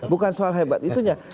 bukan soal hebat itunya